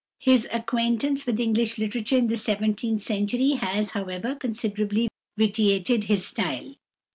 His acquaintance with English literature in the seventeenth century has, however, considerably vitiated his style.